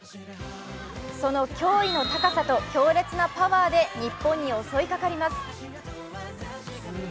その脅威の高さと強烈なパワーで日本に襲いかかります。